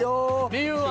理由は。